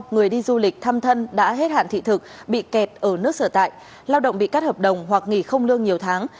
người đi du lịch thăm thân đã hết hạn thị thực bị kẹt ở nước sở tại lao động bị cắt hợp đồng hoặc nghỉ không lương nhiều tháng